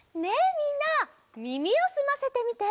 みんなみみをすませてみて。